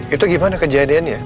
itu gimana kejadiannya